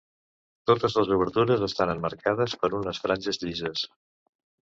Totes les obertures estan emmarcades per unes franges llises.